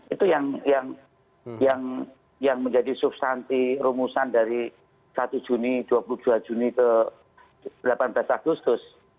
itu yang menjadi substansi rumusan dari satu juni dua puluh dua juni ke delapan belas agustus